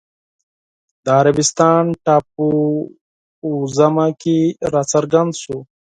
د عربستان ټاپووزمه کې راڅرګند شو